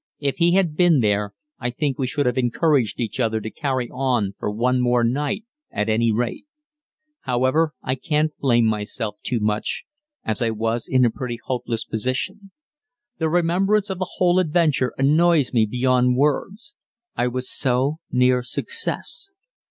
If he had been there I think we should have encouraged each other to carry on for one more night at any rate. However, I can't blame myself too much, as I was in a pretty hopeless position. The remembrance of the whole adventure annoys me beyond words. I was so near success.